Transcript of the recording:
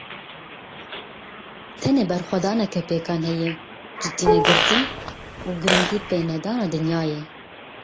Tenê berxwedaneke pêkan heye; cidînegirtin û giringîpênedana dinyayê.